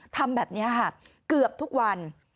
ทำแบบนี้ค่ะเกือบทุกวัน